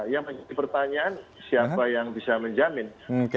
yang menjadi pertanyaan siapa yang bisa menjamin